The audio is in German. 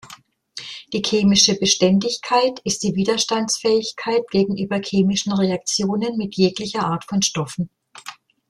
Die "Chemische Beständigkeit" ist die Widerstandsfähigkeit gegenüber chemischen Reaktionen mit jeglicher Art von Stoffen.